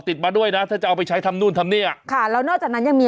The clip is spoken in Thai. ติดมาด้วยนะถ้าจะเอาไปใช้ทำนู่นทำเนี่ยค่ะแล้วนอกจากนั้นยังมี